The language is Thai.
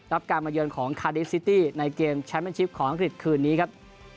รับการมาเยือนของคาดิสซิตี้ในเกมแชมป์ชิปของอังกฤษคืนนี้ครับ